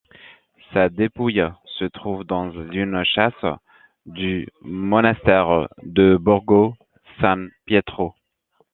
Sa dépouille se trouve dans une châsse du monastère de Borgo San Pietro.